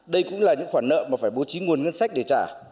đây cũng là những khoản nợ mà phải bố trí nguồn ngân sách để trả